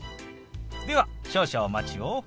では少々お待ちを。